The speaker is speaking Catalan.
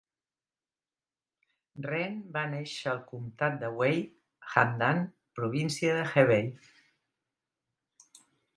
Ren va néixer al comtat de Wei, Handan, província de Hebei.